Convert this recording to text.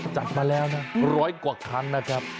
จัดมาแล้วนะร้อยกว่าครั้งนะครับ